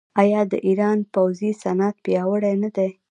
آیا د ایران پوځي صنعت پیاوړی نه دی؟